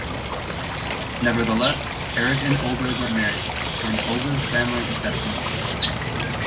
Nevertheless, Eric and Olga get married, and Olga's family accepts him.